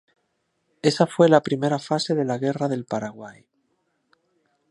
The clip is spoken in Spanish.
Esa fue la primera fase de la Guerra del Paraguay.